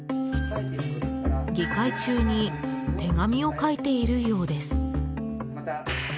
議会中に手紙を書いているようです。